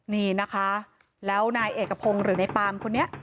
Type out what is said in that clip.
นี่นะคะแล้วนายเอกพงศ์หรือในปามคนนี้